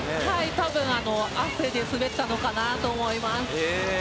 多分汗で滑ったのかなと思います。